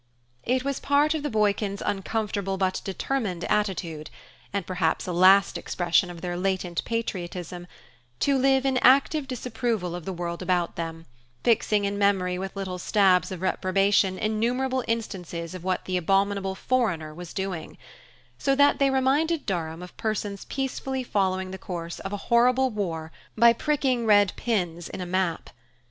It was a part of the Boykins' uncomfortable but determined attitude and perhaps a last expression of their latent patriotism to live in active disapproval of the world about them, fixing in memory with little stabs of reprobation innumerable instances of what the abominable foreigner was doing; so that they reminded Durham of persons peacefully following the course of a horrible war by pricking red pins in a map.